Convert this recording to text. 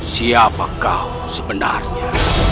siapa kau sebenarnya